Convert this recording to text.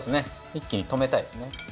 一気に止めたいですね。